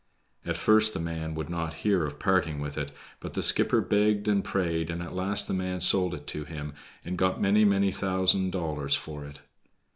At first the man would not hear of parting with it, but the skipper begged and prayed, and at last the man sold it to him, and got many, many thousand dollars for it.